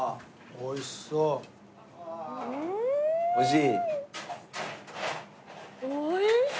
おいしい。